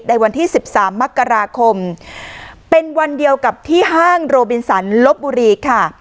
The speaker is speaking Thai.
ในวันที่สิบสามมกราคมเป็นวันเดียวกับที่ห้างโรบินสันลบบุรีค่ะ